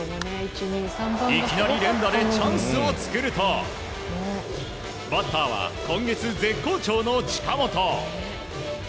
いきなり連打でチャンスを作るとバッターは今月絶好調の近本。